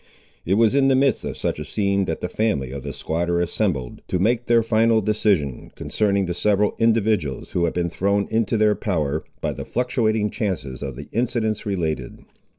It was in the midst of such a scene that the family of the squatter assembled to make their final decision, concerning the several individuals who had been thrown into their power, by the fluctuating chances of the incidents related.